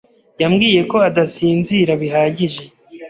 yambwiye ko adasinzira bihagije.